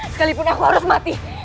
sekalipun aku harus mati